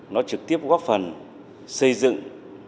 nó trực tiếp góp phần xây dựng